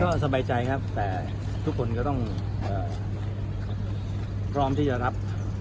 ก็สบายใจครับแต่ทุกคนก็ต้องพร้อมที่จะรับ